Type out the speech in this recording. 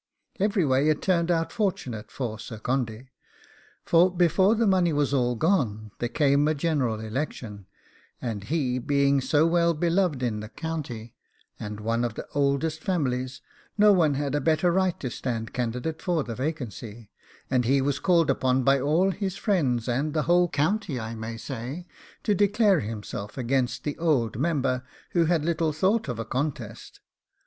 Every way it turned out fortunate for Sir Condy, for before the money was all gone there came a general election, and he being so well beloved in the county, and one of the oldest families, no one had a better right to stand candidate for the vacancy; and he was called upon by all his friends, and the whole county I may say, to declare himself against the old member, who had little thought of a contest.